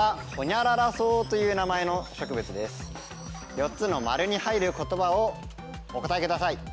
４つの○に入る言葉をお答えください。